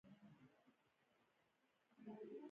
د نني ورځی له شرایطو سره برابره ده.